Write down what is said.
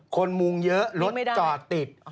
มุงเยอะรถจอดติด